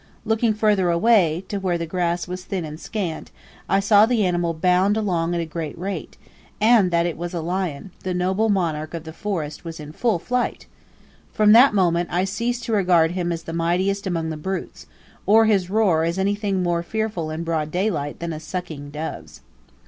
Looking further away to where the grass was thin and scant I saw the animal bound along at a great rate, and that it was a lion: the noble monarch of the forest was in full flight! From that moment I ceased to regard him as the "mightiest among the brutes;" or his roar as anything more fearful in broad daylight than a sucking dove's.